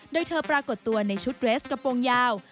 โดยเธอปรากฏตัวในชุดเรสกระโปรงยาว